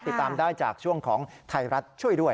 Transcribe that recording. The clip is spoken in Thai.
ติดตามได้จากช่วงของไทยรัฐช่วยด้วย